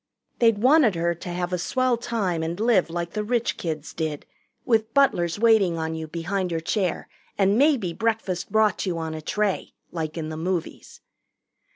They'd wanted her to have a swell time and live like the rich kids did, with butlers waiting on you behind your chair and maybe breakfast brought you on a tray, like in the movies.